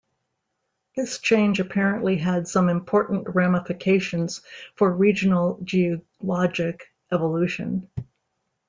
This change apparently had some important ramifications for regional geologic evolution.